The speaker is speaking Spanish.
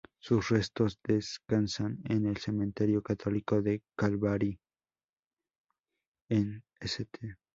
Sus restos descansan en el cementerio católico de Calvary, en St.